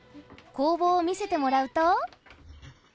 工ぼうを見せてもらうと。